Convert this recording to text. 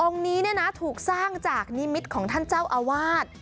นี้ถูกสร้างจากนิมิตของท่านเจ้าอาวาส